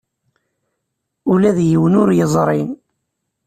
Ula d yiwen ur yeẓri.